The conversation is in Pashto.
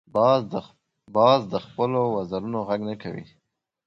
باز د خپلو وزرونو غږ نه کوي